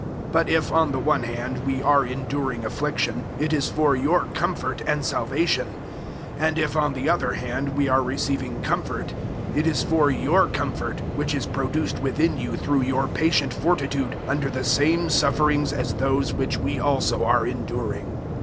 001:006 But if, on the one hand, we are enduring affliction, it is for your comfort and salvation; and if, on the other hand, we are receiving comfort, it is for your comfort which is produced within you through your patient fortitude under the same sufferings as those which we also are enduring.